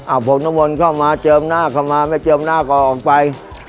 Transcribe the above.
อาบผมน้ำมนต์เข้ามาเจิมหน้าค่ะมาไม่เจิมหน้าก็ออกไป